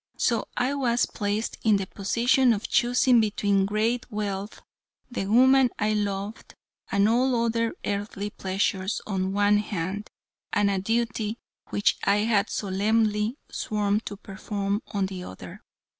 So I was placed in the position of choosing between great wealth, the woman I loved, and all other earthly pleasures on the one hand, and a duty which I had solemnly sworn to perform, on the other.